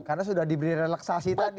karena sudah diberi relaksasi tadi